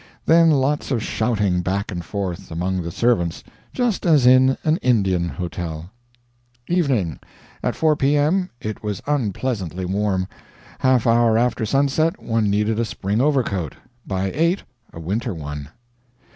Then lots of shouting back and forth, among the servants just as in an Indian hotel. Evening. At 4 P.M. it was unpleasantly warm. Half hour after sunset one needed a spring overcoat; by 8 a winter one.